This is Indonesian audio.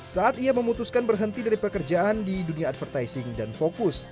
saat ia memutuskan berhenti dari pekerjaan di dunia advertising dan fokus